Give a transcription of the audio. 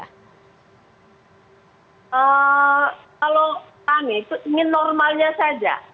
kalau kami itu ingin normalnya saja